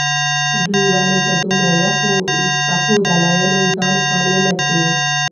دوی ولې په دومره پخو دلایلو ځان قانع نه کړي.